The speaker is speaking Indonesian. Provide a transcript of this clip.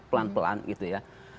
pelan pelan gitu ya